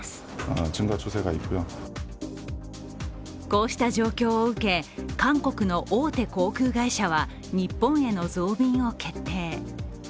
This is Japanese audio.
こうした状況を受け、韓国の大手航空会社は日本への増便を決定。